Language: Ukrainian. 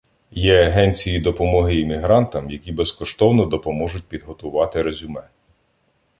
Є агенції допомоги іммігрантам, які безкоштовно допоможуть підготувати резюме